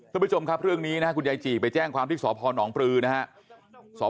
คุณผู้ชมครับเรื่องนี้นะครับคุณยายจี่ไปแจ้งความที่สพนปลือนะครับ